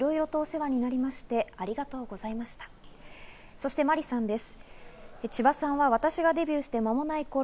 そして麻里さんです。